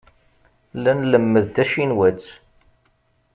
La nlemmed tacinwat.